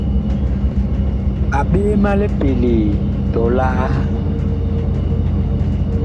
A ɓee ma lipelee tɔlaa !